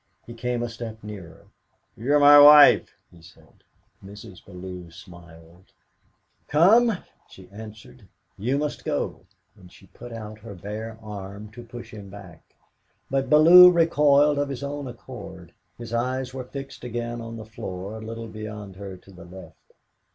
He came a step nearer. "You're my wife!" he said. Mrs. Bellew smiled. "Come," she answered, "you must go!" and she put out her bare arm to push him back. But Bellew recoiled of his own accord; his eyes were fixed again on the floor a little beyond her to the left.